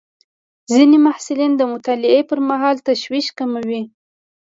ځینې محصلین د مطالعې پر مهال تشویش کموي.